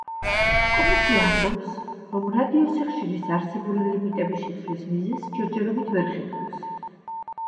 კომისია ამბობს, რომ რადიოსიხშირის არსებული ლიმიტების შეცვლის მიზეზს ჯერჯერობით ვერ ხედავს.